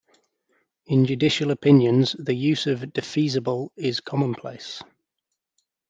In judicial opinions, the use of "defeasible" is commonplace.